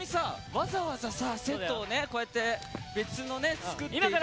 わざわざセットをねこうやって別のね作っていただいて。